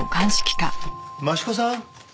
益子さん。